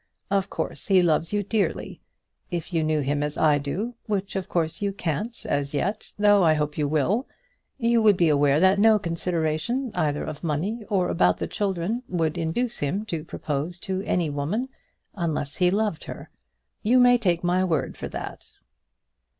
Of course he loves you dearly. If you knew him as I do, which of course you can't as yet, though I hope you will, you would be aware that no consideration, either of money or about the children, would induce him to propose to any woman unless he loved her. You may take my word for that."